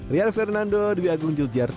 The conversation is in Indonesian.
rian fernando dwi agung juljarto